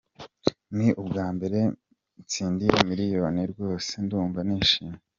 Ni ubwa mbere ntsindiye miliyoni rwose, ndumva nishimye.